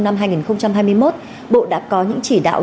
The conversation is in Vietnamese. năm hai nghìn hai mươi một bộ đã có những chỉ đạo